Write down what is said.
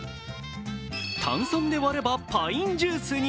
炭酸で割ればパインジュースに。